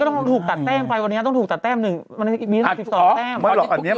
ต้องถูกตัดแต้มไปวันนี้ต้องถูกตัดแต้มหนึ่ง